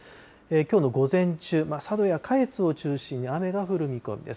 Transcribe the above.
きょうの午前中、佐渡や下越を中心に雨が降る見込みです。